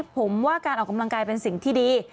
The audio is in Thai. ผมว่าการออกกำลังกายเป็นสิ่งที่ดี